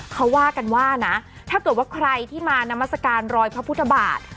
เขาว่ากันว่านะถ้าเกิดว่าใครที่มานามัศกาลรอยพระพุทธบาท